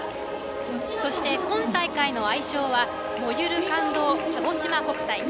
そして、今大会の愛称は「燃ゆる感動かごしま国体」。